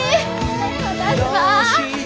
私は？